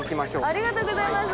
ありがとうございます。